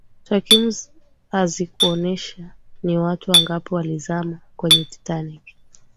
takwimu hazikuonesha ni watu wangapi walizama kwenye titanic